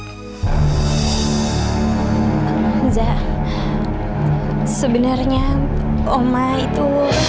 riza sebenarnya oma itu